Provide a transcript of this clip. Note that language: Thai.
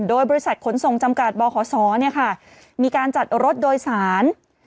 โดยบริษัทขนส่งจำกัดบขศมีการจัดรถโดยสาร